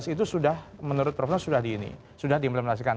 k tiga belas itu sudah menurut prof noh sudah di ini sudah diimplementasikan